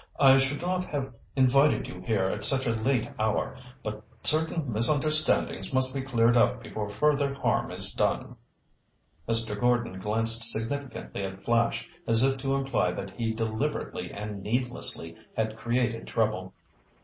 "I should not have invited you here at such a late hour, but certain misunderstandings must be cleared up before further harm is done." Mr. Gordon glanced significantly at Flash as if to imply that he deliberately and needlessly had created trouble.